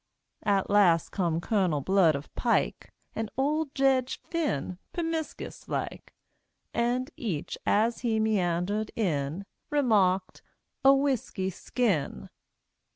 At last come Colonel Blood of Pike, And old Jedge Phinn, permiscus like, And each, as he meandered in, Remarked, "A whisky skin."